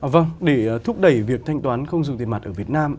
vâng để thúc đẩy việc thanh toán không sử dụng tiền mặt ở việt nam